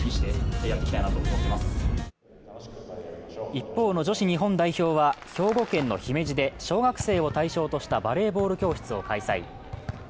一方の女子日本代表は、兵庫県の姫路で小学生を対象としたバレーボール教室を開催。